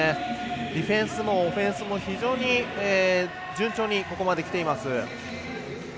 ディフェンスもオフェンスも非常に順調にここまできています。